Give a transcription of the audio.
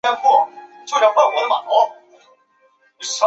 音乐风格的前卫性和多样性在这张专辑很明显。